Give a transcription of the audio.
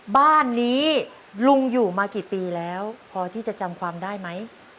บ้านนี้ลุงอยู่มากี่ปีแล้วพอที่จะจำความได้ไหม